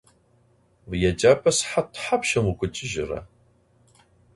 Vuiêcap'e sıhat thapşşım vukhiç'ıjıre?